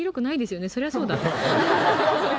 そりゃそうだ。